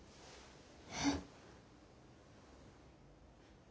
えっ。